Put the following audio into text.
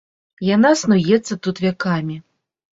Яна снуецца тут вякамі.